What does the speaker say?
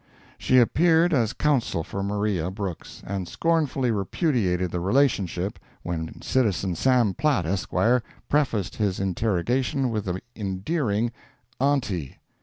She appeared as counsel for Maria Brooks, and scornfully repudiated the relationship, when citizen Sam Platt, Esq. prefaced his interrogation with the endearing, "Aunty."